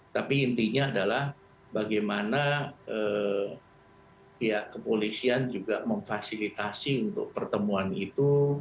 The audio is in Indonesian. tapi intinya adalah bagaimana pihak kepolisian juga memfasilitasi untuk pertemuan itu